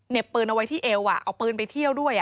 ปืนเอาไว้ที่เอวเอาปืนไปเที่ยวด้วย